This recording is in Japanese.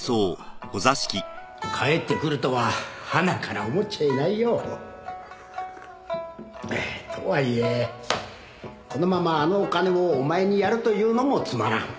返ってくるとははなから思っちゃいないよ。とはいえこのままあのお金をお前にやるというのもつまらん。